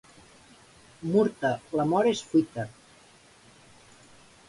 Murta, l'amor és fuita.